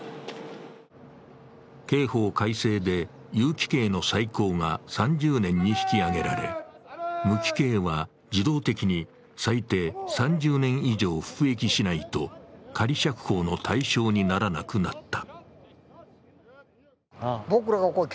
刑法改正で有期刑の最高が３０年に引き上げられ、無期刑は自動的に最低３０年以上服役しないと仮釈放の対象にならなくなった。